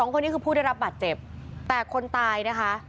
คนนี้คือผู้ได้รับบาดเจ็บแต่คนตายนะคะ